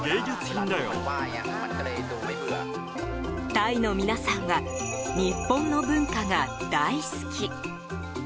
タイの皆さんは日本の文化が大好き！